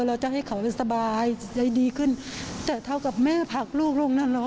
เราจะให้เขาได้สบายใจดีขึ้นแต่เท่ากับแม่ผลักลูกลูกน่ะเนอะ